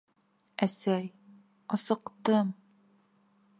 — Әсәй, асыҡтым...